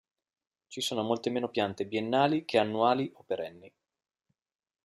Ci sono molte meno piante biennali che annuali o perenni.